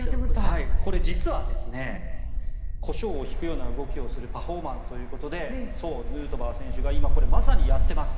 これ実はコショウをひくような動きをするパフォーマンスということでヌートバー選手が今これまさにやっています。